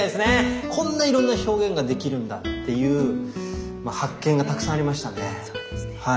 こんないろんな表現ができるんだっていう発見がたくさんありましたね。